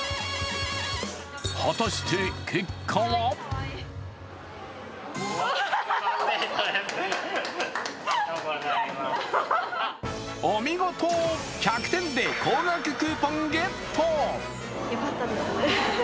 果たして結果はお見事、１００点で高額クーポンゲット。